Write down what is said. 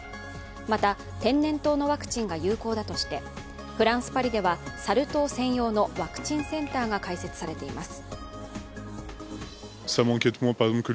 また天然痘のワクチンが有効だとしてフランス・パリではサル痘専用のワクチンセンターが開設されています。